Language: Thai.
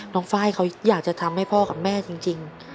ไฟล์เขาอยากจะทำให้พ่อกับแม่จริง